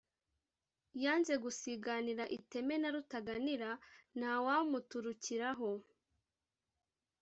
Yanze gusiganira iteme na Rutaganira, ntawamuturukiraho